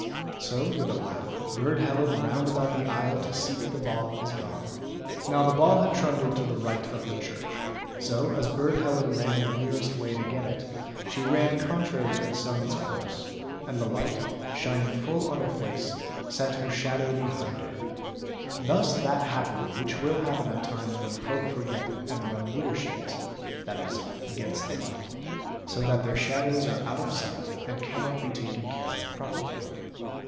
So with a laugh — Burd Helen round about the aisle To seek the ball is gone. Now the ball had trundled to the right of the church ; so, as Burd Helen ran the nearest way to get it, she ran con trary to the sun's course, and the light, shining full on her 276 CHILDE ROWLAND . 277 face, sent her shadow behind her. Thus that happened which will happen at times when folk forget and run wider shins, that is against the light, so that their shadows are out of sight and cannot be taken care of properly.